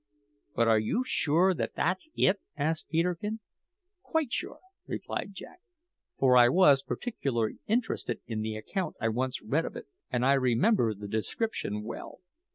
"But are you sure that that's it?" asked Peterkin. "Quite sure," replied Jack; "for I was particularly interested in the account I once read of it, and I remember the description well.